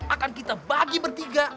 akan kita bagi bertiga